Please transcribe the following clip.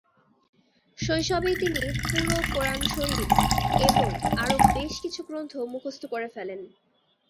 শৈশবেই তিনি পুরো কুরআন শরীফ এবং আরো বেশকিছু গ্রন্থ মুখস্থ করে ফেলেন।